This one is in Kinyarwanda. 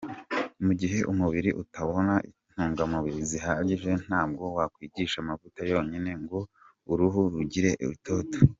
Mu gihe umubiri utabona intungamubiri zihagije, ntabwo wakwisiga amavuta yonyine ngo uruhu rugire itoto.